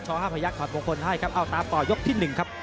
๕พยักษ์ถอดมงคลให้ครับเอาตามต่อยกที่๑ครับ